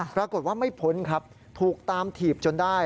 ปรากฏว่าไม่พ้นครับถูกตามถีบจนได้